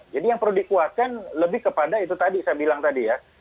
jadi yang perlu dikuatkan lebih kepada itu tadi saya bilang tadi ya